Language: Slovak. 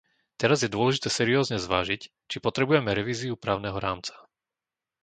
Teraz je dôležité seriózne zvážiť, či potrebujeme revíziu právneho rámca.